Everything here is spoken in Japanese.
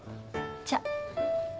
じゃあ！